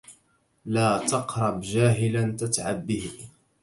لا تقرب جاهلا تتعب به